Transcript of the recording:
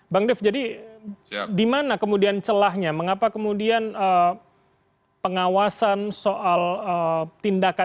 bang dev jadi di mana kemudian celahnya mengapa kemudian pengawasan soal tindakan